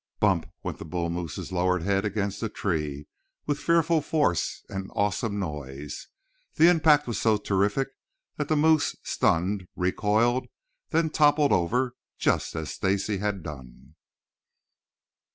Bump! went the bull moose's lowered head against the tree, with fearful force and an awesome noise. The impact was so terrific that the moose, stunned, recoiled, then toppled over just as Stacy had done.